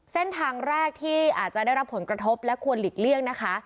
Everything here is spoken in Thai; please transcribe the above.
เส้นทางแรกที่อาจจะได้รับผลกระทบและควรหลีกเลี่ยงนะคะ